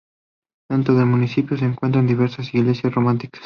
Dentro del municipio se encuentran diversas iglesias románicas.